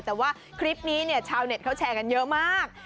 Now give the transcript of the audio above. แต่ว่าคลิปนี้เนี่ยชาวเน็ตเขาแชร์กันเยอะมาก